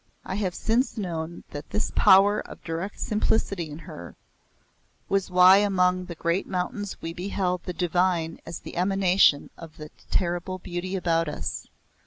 I have since known that this power of direct simplicity in her was why among the great mountains we beheld the Divine as the emanation of the terrible beauty about us.